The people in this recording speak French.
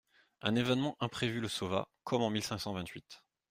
Un événement imprévu le sauva, comme en mille cinq cent vingt-huit.